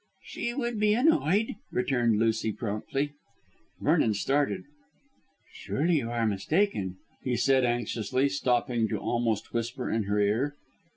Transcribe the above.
"She would be annoyed," returned Lucy promptly. Vernon started. "Surely you are mistaken," he said anxiously, stopping to almost whisper in her ear.